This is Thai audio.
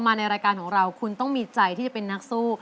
ในรายการของเราคุณต้องมีใจที่จะเป็นนักสู้